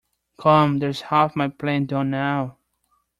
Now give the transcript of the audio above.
Come, there’s half my plan done now!